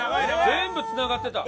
全部つながってた！